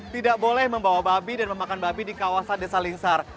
tidak boleh membawa babi dan memakan babi di kawasan desa lingsar